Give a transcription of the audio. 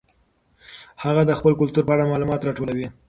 هغه د خپل کلتور په اړه معلومات راټولوي.